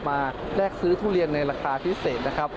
แลกซื้อทุเรียนในราคาพิเศษนะครับ